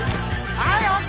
はいＯＫ！